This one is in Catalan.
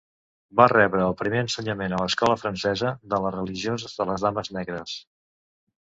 Va rebre el primer ensenyament a l'escola francesa de les religioses de les Dames Negres.